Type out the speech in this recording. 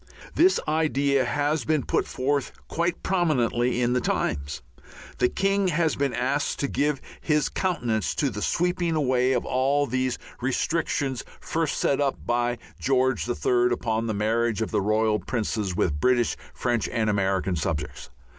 This idea has been put forth quite prominently in the Times. The king has been asked to give his countenance to the sweeping away of all those restrictions first set up by George the Third, upon the marriage of the Royal Princes with British, French and American subjects.